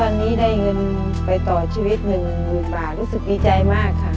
ตอนนี้ได้เงินไปต่อชีวิตหนึ่งหมื่นบาทรู้สึกดีใจมากค่ะ